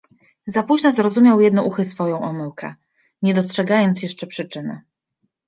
Za późno zrozumiał Jednouchy swoją omyłkę. nie dostrzegając jeszcze przyczyny